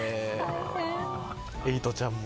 エイトちゃんも。